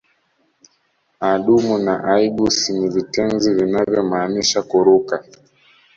Adumu na aigus ni vitenzi vinavyomaanisha kuruka